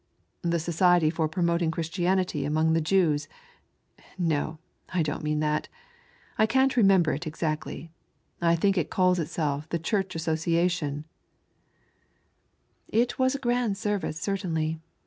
"The Society for Promoting Christianity among the Jews — no, I don't mean that, I can't remember it exactly, I think it calls itself the Church Associa tion," It was a grand service certainly.